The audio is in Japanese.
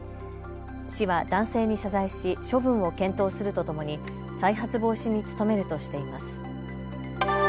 市は男性に謝罪し処分を検討するとともに再発防止に努めるとしています。